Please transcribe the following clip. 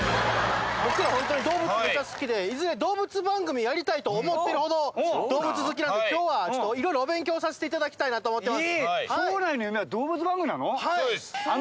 僕ら本当に、動物が好きで、いずれ動物番組やりたいと思ってるほど、動物好きなんで、きょうはちょっといろいろお勉強させていただきたいなと思ってい将来の夢は、動物番組なの？